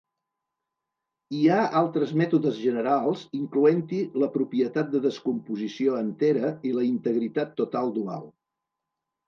Hi ha altres mètodes generals incloent-hi la propietat de descomposició entera i la integritat total dual.